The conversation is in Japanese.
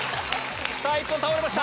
１本倒れました。